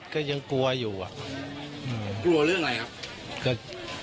ก็ยังกลัวอยู่อ่ะกลัวเรื่องอะไรครับ